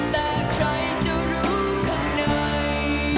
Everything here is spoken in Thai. แต่ใครจะรู้ข้างใน